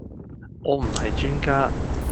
我唔係專家